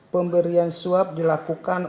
pemberian suap dilakukan